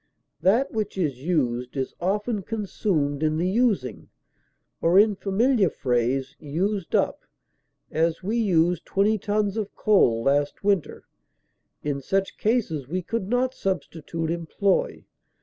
That which is used is often consumed in the using, or in familiar phrase used up; as, we used twenty tons of coal last winter; in such cases we could not substitute employ.